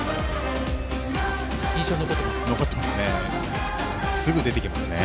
印象に残ってますか。